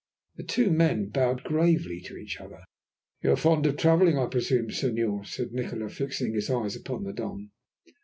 The two men bowed gravely to each other. "You are fond of travelling, I presume, Senor," said Nikola, fixing his eyes upon the Don.